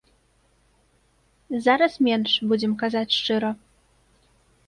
Зараз менш, будзем казаць шчыра.